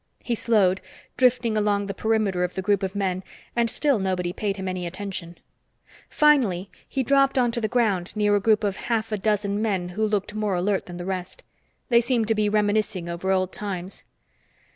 He slowed, drifting along the perimeter of the group of men, and still nobody paid him any attention. Finally, he dropped onto the ground near a group of half a dozen men who looked more alert than the rest. They seemed to be reminiscing over old times.